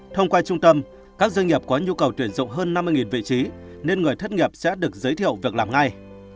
thông qua trung tâm các doanh nghiệp có nhu cầu tuyển dụng hơn năm mươi vị trí nên người thất nghiệp sẽ được giới thiệu việc làm ngay